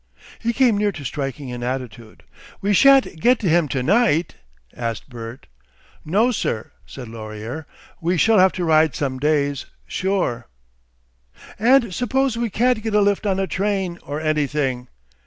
He came near to striking an attitude. "We shan't get to him to night?" asked Bert. "No, sir!" said Laurier. "We shall have to ride some days, sure!" "And suppose we can't get a lift on a train or anything?"